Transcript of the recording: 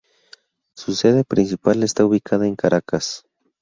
Su sede principal está ubicada en Caracas.